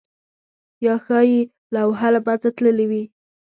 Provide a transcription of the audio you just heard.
یا ښايي لوحه له منځه تللې وي؟